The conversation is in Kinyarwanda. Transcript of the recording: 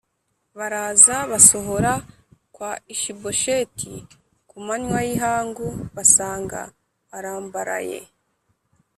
baraza basohora kwa Ishibosheti ku manywa y’ihangu, basanga arambaraye.